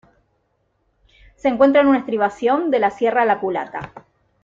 Se encuentra en una estribación de la Sierra La Culata.